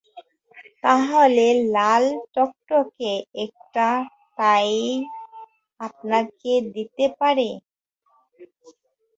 তাহলে লাল টকটকে একটা টাই আপনাকে দিতে পারি।